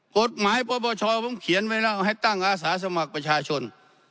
กฎหมายปปชผมเขียนไว้แล้วให้ตั้งอาสาสมัครประชาชน